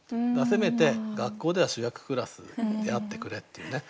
せめて学校では主役クラスであってくれっていうね